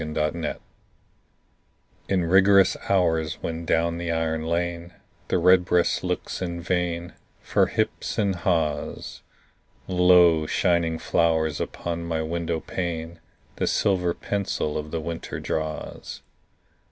XVII—WINTER In rigorous hours, when down the iron lane The redbreast looks in vain For hips and haws, Lo, shining flowers upon my window pane The silver pencil of the winter draws.